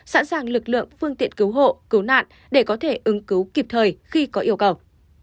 sẵn sàng lực lượng phương tiện cứu hộ cứu nạn để có thể ứng cứu kịp thời khi có yêu cầu